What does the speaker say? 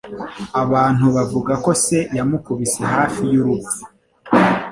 Abantu bavuga ko se yamukubise hafi y'urupfu.